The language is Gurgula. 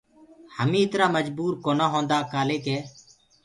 همينٚ اِترآ مجبور ڪونآ هوندآ ڪآلي ڪي